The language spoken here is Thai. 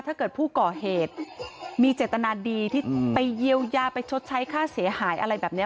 ถ้าเกิดผู้ก่อเหตุมีเจตนาดีที่ไปเยียวยาไปชดใช้ค่าเสียหายอะไรแบบนี้